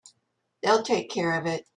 They'll take care of it.